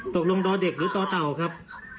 ตกลงดรเด็กหรือตต่าวครับ